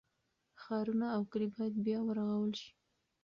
ښارونه او کلي باید بیا ورغول شي.